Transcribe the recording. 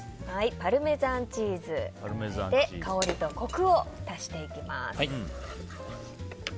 パルメザンチーズを入れて香りとコクを出していきます。